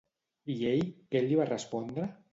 I ell què li va respondre?